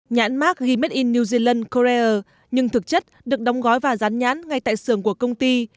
nhãn mark ghi made in new zealand korea nhưng thực chất được đóng gói và dán nhãn ngay tại sườn của công ty